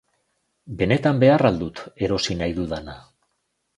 Benetan behar al dut erosi nahi dudana?